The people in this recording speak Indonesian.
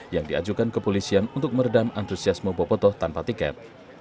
yang diajukan kepolisian untuk meredam antusiasme bobotoh tanpa tiket